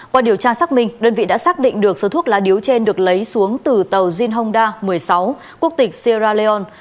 qua điều tra xác minh đơn vị đã xác định được số thuốc lá điếu chen được lấy xuống từ tàu zinhonda một mươi sáu quốc tịch sierra leone